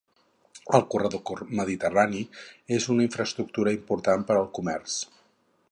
El corredor mediterrani és una infraestructura important per al comerç